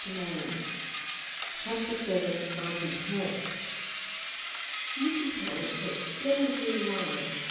VOLUME ONE, CHAPTER SEVEN. AUNTIE HAMPS. Mrs Hamps had splendidly arrived.